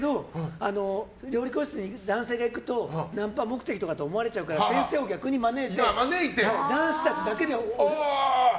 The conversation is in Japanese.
料理教室に男性が行くとナンパ目的とかって思われちゃうから先生を逆に招いて男子たちだけでやる。